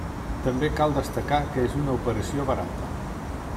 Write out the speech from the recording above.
També cal destacar que és una operació barata.